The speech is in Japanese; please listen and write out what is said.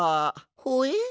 ほえ？